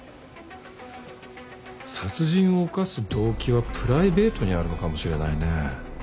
殺人を犯す動機はプライベートにあるのかもしれないね。